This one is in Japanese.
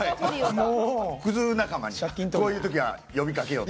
クズ仲間に、こういう時は呼びかけようって。